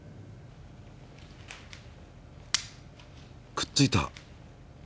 くっついた。